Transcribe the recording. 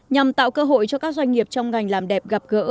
nhằm tạo cơ hội cho các doanh nghiệp trong ngành làm đẹp gặp gỡ